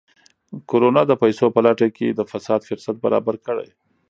کرونا د پیسو په لټه کې د فساد فرصت برابر کړی.